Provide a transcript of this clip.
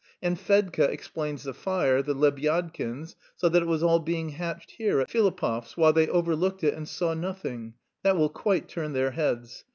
And Fedka explains the fire, the Lebyadkins; so that it was all being hatched here, at Filipov's, while they overlooked it and saw nothing that will quite turn their heads!